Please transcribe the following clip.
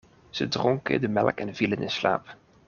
Ze dronken de melk en vielen in slaap.